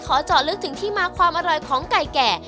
เจาะลึกถึงที่มาความอร่อยของไก่แก่